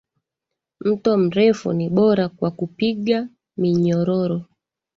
mto mrefu ni bora kwa kupiga minyororo